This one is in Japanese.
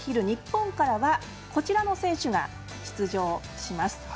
日本からはこちらの選手が出場します。